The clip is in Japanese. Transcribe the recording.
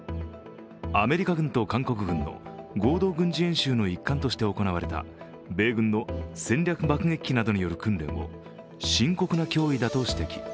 アメリカ軍と韓国軍の合同軍事演習の一環として行われた米軍の戦略爆撃機などによる訓練を深刻な脅威だと指摘。